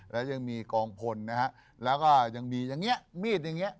แล้วยังมีกองพลนะฮะแล้วก็ยังมีอย่างเงี้มีดอย่างเงี้